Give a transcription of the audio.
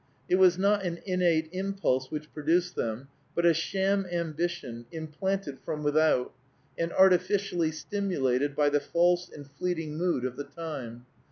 It was not an innate impulse which produced them, but a sham ambition, implanted from without, and artificially stimulated by the false and fleeting mood of the time.